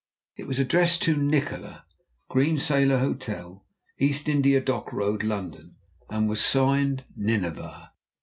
It was addressed to "Nikola, Green Sailor Hotel, East India Dock Road, London," and was signed "Nineveh."